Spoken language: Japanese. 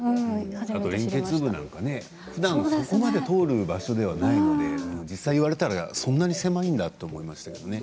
連結部はふだんそこまで通る場所ではないので実際に言われたらそんなに狭いんだと思いましたけれどね。